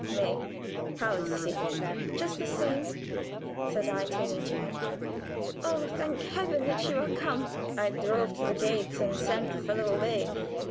"May, how is he?" "Just the same," said I, clinging to him. "Oh, thank Heaven that you are come!" "I drove to the gates, and sent the fellow away.